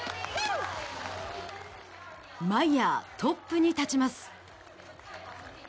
マイヤー、トップに立ちます。